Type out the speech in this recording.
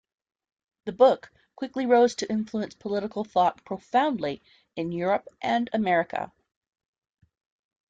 The book quickly rose to influence political thought profoundly in Europe and America.